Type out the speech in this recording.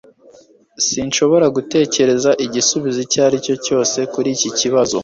Sinshobora gutekereza igisubizo icyo ari cyo cyose kuri iki kibazo